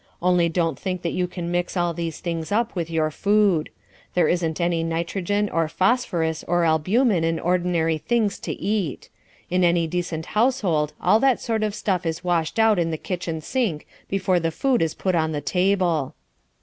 Only don't think that you can mix all these things up with your food. There isn't any nitrogen or phosphorus or albumen in ordinary things to eat. In any decent household all that sort of stuff is washed out in the kitchen sink before the food is put on the table.